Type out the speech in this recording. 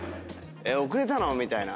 遅れたの？みたいな。